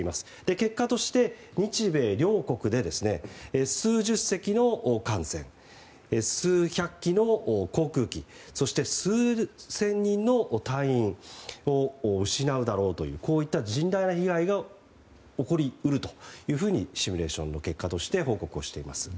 結果として、日米両国で数十隻の艦船数百機の航空機そして、数千人の隊員を失うだろうというこういった甚大な被害が起こり得るとシミュレーションの結果として報告をしています。